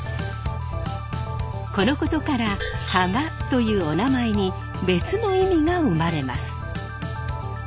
このことから浜というおなまえに別の意味が生まれます。